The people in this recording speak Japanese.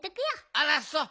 あらそう。